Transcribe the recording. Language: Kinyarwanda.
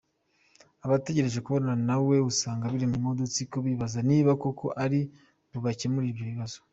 Abategereje kubonana na we usanga biremyemo udutsiko bibaza niba koko ari bubakemurire ibyo bibazo.